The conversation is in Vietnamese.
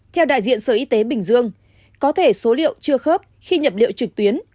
theo đại diện sở y tế bình dương có thể số liệu chưa khớp khi nhập liệu trực tuyến